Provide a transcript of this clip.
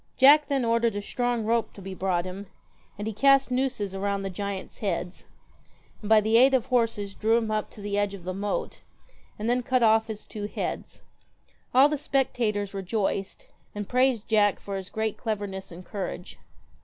Jack then ordered a strong rope to be brought 191 JACK THE him, and he cast nooses round the giants' heads, GIANT and by the aid of horses drew him up to the edge KILLER o f ^e moat, and then cut off his two heads. All the spectators rejoiced, and praised Jack for his great cleverness and courage.